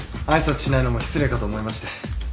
挨拶しないのも失礼かと思いまして。